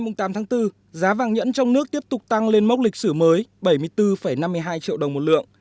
ngày tám tháng bốn giá vàng nhẫn trong nước tiếp tục tăng lên mốc lịch sử mới bảy mươi bốn năm mươi hai triệu đồng một lượng